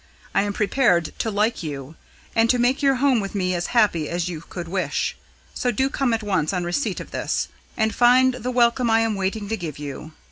I am prepared to like you, and to make your home with me as happy as you could wish. So do come at once on receipt of this, and find the welcome I am waiting to give you.